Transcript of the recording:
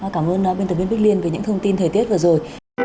cảm ơn biên tập viên bích liên về những thông tin thời tiết vừa rồi